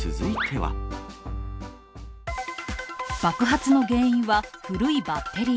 爆発の原因は古いバッテリー。